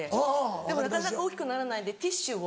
でもなかなか大きくならないんでティッシュを。